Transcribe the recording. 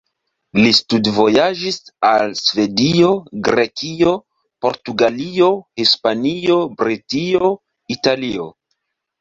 Li studvojaĝis al Svedio, Grekio, Portugalio, Hispanio, Britio, Italio.